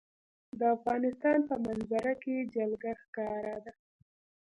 د افغانستان په منظره کې جلګه ښکاره ده.